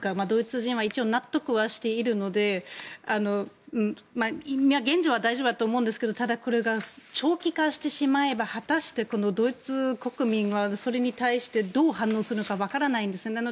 ドイツ人は一応、納得はしているので現状は大丈夫だと思うんですがただ、これが長期化してしまえば果たしてドイツ国民はそれに対してどう反応するのか分からないんですね。